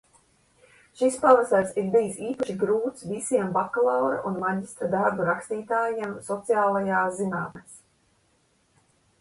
Šis pavasaris ir bijis īpaši grūts visiem bakalaura un maģistra darbu rakstītājiem sociālajās zinātnes.